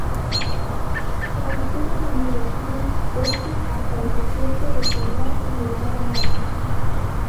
Transcurre en dirección Este hasta el desierto de Judea y el mar Muerto.